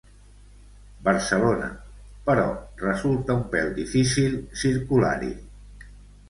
Barcelona, però resulta un pèl difícil circular-hi.